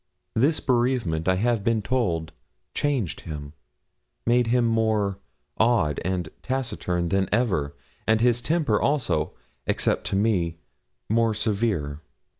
This bereavement, I have been told, changed him made him more odd and taciturn than ever, and his temper also, except to me, more severe.